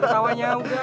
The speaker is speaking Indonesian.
kak gue linjak doyok